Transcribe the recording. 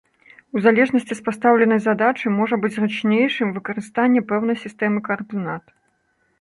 У залежнасці з пастаўленай задачы, можа быць зручнейшым выкарыстанне пэўнай сістэмы каардынат.